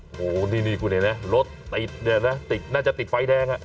โอ้โหนี่คุณเห็นไหมรถติดเนี่ยนะติดน่าจะติดไฟแดงอ่ะ